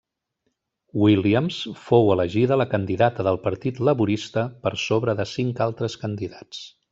Williams fou elegida la candidata del Partit Laborista per sobre de cinc altres candidats.